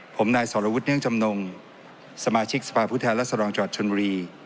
ผมนายสรวจเนื่องจำนงสมาชิกสภาพุทธแหละสรองจัวร์ชนมุรี